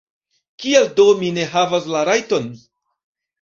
Kial do mi ne havas la rajton?